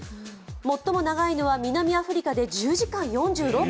最も長いのは南アフリカで１０時間４６分。